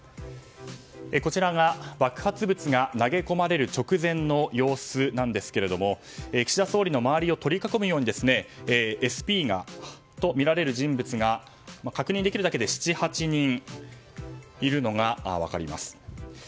こちらが爆発物が投げ込まれる直前の様子なんですが岸田総理の周りを取り囲むようにＳＰとみられる人物が確認できるだけで７８人いるのが分かります。